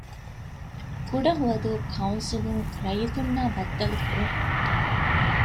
ކުޑަހުވަދޫ ކައުންސިލުން ރައްޔިތުންނާ ބައްދަލުކުރުން